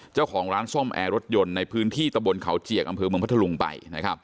เจ้าของร้านซ่อมแอร์รถยนต์ในพื้นที่ตะบนเขาเจียกอำเภอเมืองพัทธลุงไป